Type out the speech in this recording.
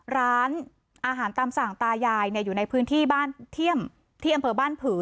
ร้านอาหารตามสั่งตายายอยู่ในพื้นที่บ้านเที่ยมที่อำเภอบ้านผือ